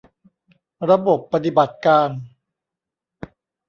ระบบปฏิบัติการ